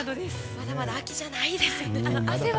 まだまだ秋じゃないですね。